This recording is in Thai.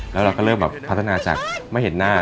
แล้วเราก็เริ่มแบบพัฒนาจากไม่เห็นหน้า